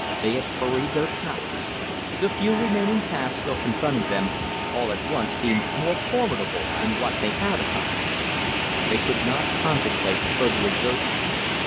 They had hurried their powers. The few remaining tasks still confronting them, all at once seemed more formidable than what they had accomplished. They could not contemplate further exertion.